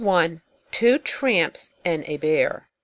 TWO TRAMPS AND A BEAR.